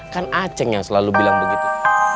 kan aceh yang selalu bilang begitu